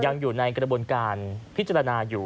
ยังอยู่ในกระบวนการพิจารณาอยู่